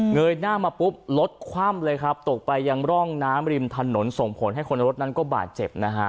ยหน้ามาปุ๊บรถคว่ำเลยครับตกไปยังร่องน้ำริมถนนส่งผลให้คนในรถนั้นก็บาดเจ็บนะฮะ